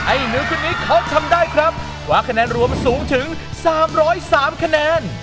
หนูคนนี้เขาทำได้ครับคว้าคะแนนรวมสูงถึง๓๐๓คะแนน